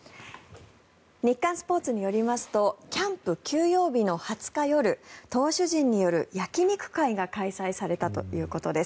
日刊スポーツによりますとキャンプ休養日の２０日夜投手陣による焼き肉会が開催されたということです。